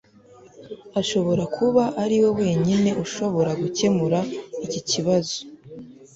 ashobora kuba ariwe wenyine ushobora gukemura iki kibazo